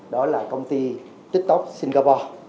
đó là công ty tiktok singapore